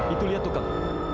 itu lihat tuh kang